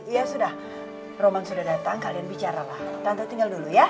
iya sudah romang sudah datang kalian bicara lah tante tinggal dulu ya